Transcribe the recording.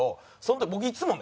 僕いつもね